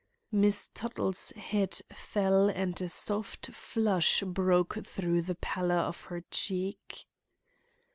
Miss Tuttle's head fell and a soft flush broke through the pallor of her cheek.